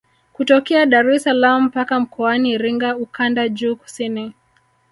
Kutokea Dar es salaam mpaka Mkoani Iringa ukanda juu kusini